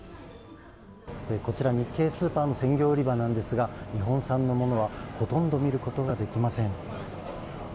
こちら、日系スーパーの鮮魚売り場なんですが日本産のものはほとんど見ることができません。